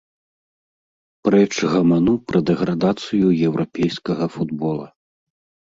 Прэч гаману пра дэградацыю еўрапейскага футбола.